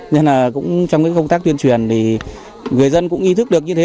nên là cũng trong cái công tác tuyên truyền thì người dân cũng ý thức được như thế